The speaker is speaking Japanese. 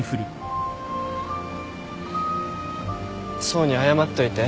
想に謝っといて。